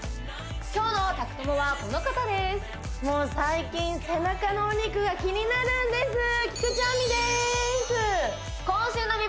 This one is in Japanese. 今日の宅トモはこの方ですもう最近背中のお肉が気になるんです菊地亜美です！